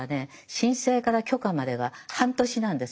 申請から許可までが半年なんです。